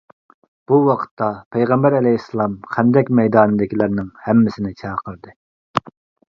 بۇ ۋاقىتتا، پەيغەمبەر ئەلەيھىسسالام خەندەك مەيدانىدىكىلەرنىڭ ھەممىسىنى چاقىردى.